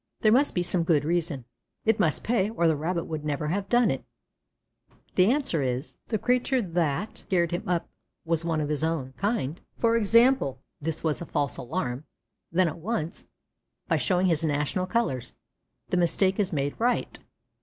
There must be some good reason. It must pay, or the Rabbit would never have done it. The answer is, if the creature that scared him up was one of his own kind i.e., this was a false alarm then at once, by showing his national colors, the mistake is made right.